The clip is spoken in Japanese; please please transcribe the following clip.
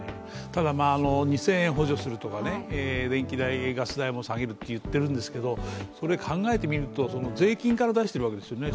ただ２０００円補助するとか電気代、ガス代も下げるって言ってるんですけど考えてみると税金から出しているわけですよね。